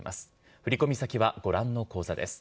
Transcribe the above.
振り込み先はご覧の口座です。